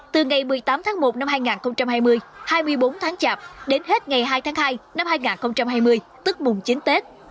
từ ngày một mươi tám tháng một năm hai nghìn hai mươi hai mươi bốn tháng chạp đến hết ngày hai tháng hai năm hai nghìn hai mươi tức mùng chín tết